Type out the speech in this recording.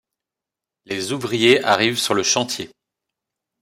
les ouvriers arrivent sur le chantier